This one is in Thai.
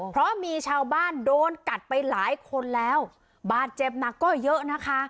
เพราะมีชาวบ้านโดนกัดไปหลายคนแล้วบาดเจ็บหนักก็เยอะนะคะ